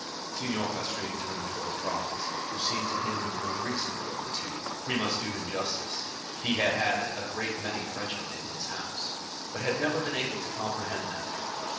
Signor Pastrini turned toward Franz, who seemed to him the more reasonable of the two; we must do him justice,—he had had a great many Frenchmen in his house, but had never been able to comprehend them.